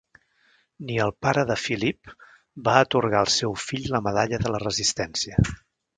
Ni el pare de Philippe va atorgar el seu fill la Medalla de la resistència.